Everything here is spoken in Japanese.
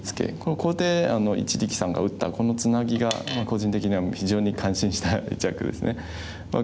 ここで一力さんが打ったこのツナギが個人的には非常に感心した一着ですね。